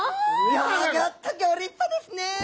ギョギョッとギョ立派ですね。